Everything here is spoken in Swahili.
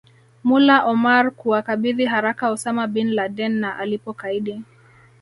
Mullah Omar kuwakabidhi haraka Osama Bin Laden na alipokaidi